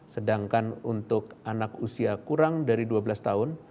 sedangkan untuk anak usia kurang dari dua belas tahun